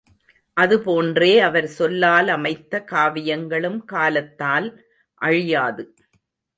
அது போன்றே அவர் சொல்லால் அமைத்த காவியங்களும் காலத்தால் அழியாது.